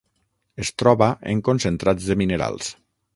Es troba en concentrats de minerals.